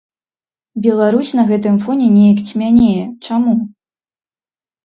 Беларусь на гэтым фоне неяк цьмянее, чаму?